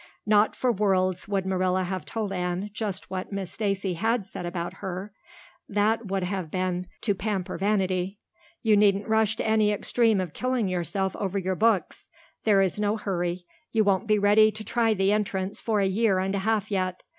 Not for worlds would Marilla have told Anne just what Miss Stacy had said about her; that would have been to pamper vanity. "You needn't rush to any extreme of killing yourself over your books. There is no hurry. You won't be ready to try the Entrance for a year and a half yet.